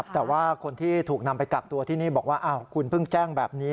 แต่ว่าคนที่ถูกนำไปกักตัวที่นี่บอกว่าคุณเพิ่งแจ้งแบบนี้